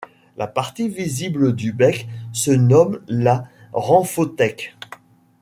La partie visible du bec se nomme la ramphothèque.